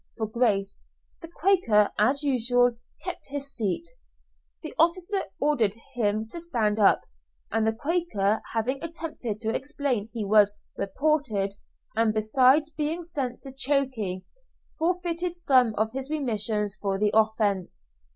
for grace, the Quaker, as usual, kept his seat. The officer ordered him to stand up, and the Quaker having attempted to explain he was "reported," and besides being sent to "Chokey," forfeited some of his remission for the offence.